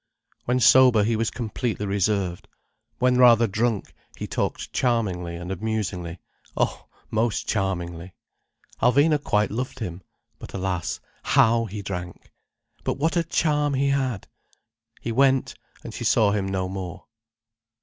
When sober, he was completely reserved. When rather drunk, he talked charmingly and amusingly—oh, most charmingly. Alvina quite loved him. But alas, how he drank! But what a charm he had! He went, and she saw him no more.